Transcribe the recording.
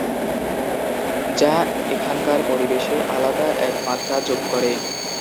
যা এখানকার পরিবেশে আলাদা এক মাত্রা যোগ করে।